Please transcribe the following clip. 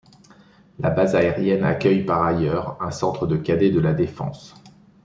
La base aérienne accueille par ailleurs un centre de cadets de la Défense.